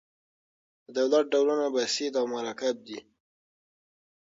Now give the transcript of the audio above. د دولت ډولونه بسیط او مرکب دي.